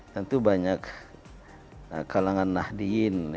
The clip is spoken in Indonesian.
tentu banyak kalangan nahdiin